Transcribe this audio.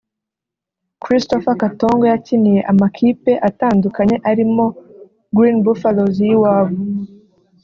Christopher Katongo yakiniye amakipe atandukanye arimo Green Buffaloes y’iwabo